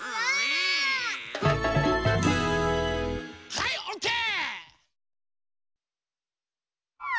はいオッケー！